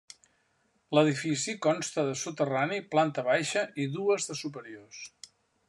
L'edifici consta de soterrani, planta baixa i dues de superiors.